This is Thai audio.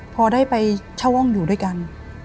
พอได้ไปเช่าห้องอยู่ด้วยกัน